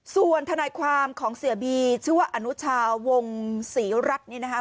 ส่วนทนายความของเสียบีชื่อว่าอนุชาวงศรีรัฐนี่นะคะ